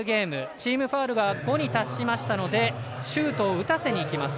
チームファウルが５に達しましたのでシュートを打たせにいきます。